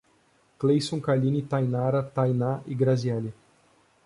Cleison, Kaline, Taynara, Thayná e Grasiele